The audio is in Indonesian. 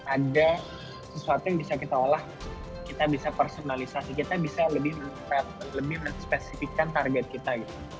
ada sesuatu yang bisa kita olah kita bisa personalisasi kita bisa lebih menspesifikan target kita